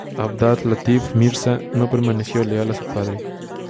Abdal-Latif Mirza no permaneció leal a su padre.